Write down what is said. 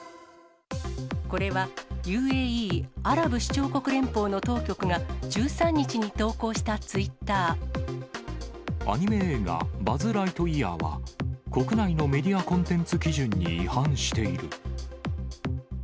これはＵＡＥ・アラブ首長国連邦の当局が１３日に投稿したツイッアニメ映画、バズ・ライトイヤーは、国内のメディアコンテンツ基準に違反している。